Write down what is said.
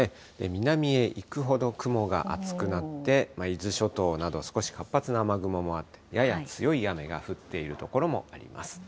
南へ行くほど雲が厚くなって、伊豆諸島など、少し活発な雨雲もあって、やや強い雨が降っている所もあります。